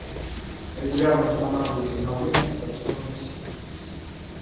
Регулярно устанавливать обновления операционных систем